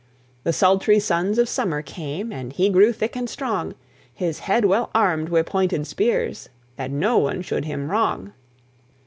The sultry suns of summer came, And he grew thick and strong; His head well arm'd wi' pointed spears, That no one should him wrong.